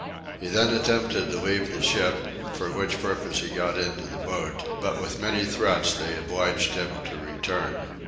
He then attempted to leave the ship, for which purpose he got into the boat; but with many threats they obliged him to return.